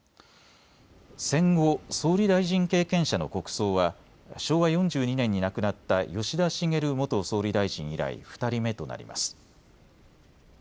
戦後、総理大臣経験者の国葬は昭和４２年に亡くなった吉田茂元総理大臣以来、２人目となります。